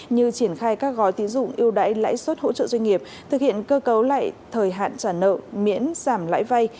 như triển khai các gói tín dụng yêu đáy lãi suất hỗ trợ doanh nghiệp thực hiện cơ cấu lại thời hạn trả nợ miễn giảm lãi vay